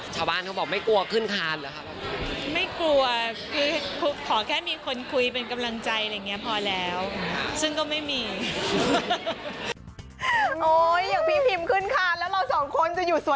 เขาบอกไม่กลัวขึ้นคานเหรอครับ